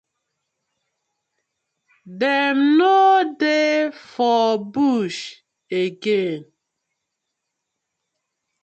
Dem no dey for bush again?